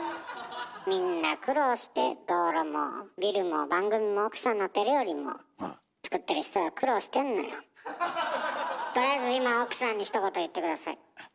みんな苦労して道路もビルも番組も奥さんの手料理もとりあえず今奥さんにひと言言って下さい。